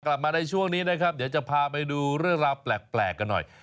กลับมาในช่วงนี้นะครับเดี๋ยวจะพาไปดูเรื่องราวแปลกกันหน่อย